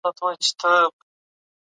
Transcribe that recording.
حکومت باید په دې برخه کي جدي کار وکړي.